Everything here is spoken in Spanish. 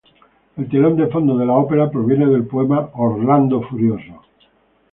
El telón de fondo de la ópera proviene del poema "Orlando Furioso.